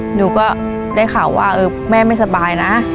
หนูก็ได้ข่าวว่าแม่ไม่สบายนะ